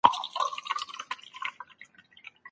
ټولنیز مهارتونه مو په اړیکو کي رول لري.